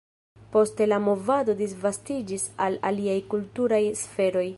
Poste la movado disvastiĝis al aliaj kulturaj sferoj.